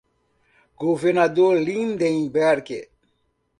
Governador Lindenberg